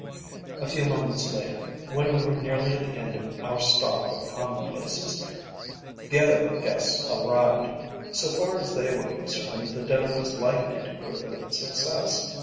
A few moments later, when we were nearly at the end of our stock of commonplaces, the other guests arrived. So far as they were concerned, the dinner was likely to prove a success.